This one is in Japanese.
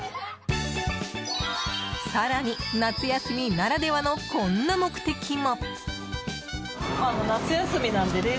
更に、夏休みならではのこんな目的も。